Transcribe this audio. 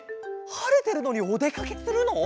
はれてるのにおでかけするの？